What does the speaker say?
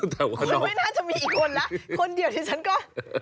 คือไม่น่าจะมีอีกคนแล้วคนเดียวที่ฉันก็